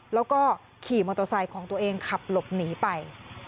แล้วก็ขี่มอเตอร์ไซค์ของตัวเองขับหลบหนีไป